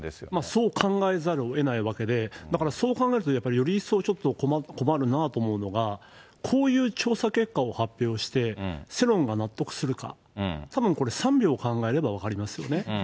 そう考えざるをえないわけで、だから、そう考えると、より一層、ちょっと困るなと思うのが、こういう調査結果を発表して、世論が納得するか、たぶんこれ、３秒考えれば分かりますよね。